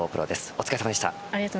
お疲れさまでした。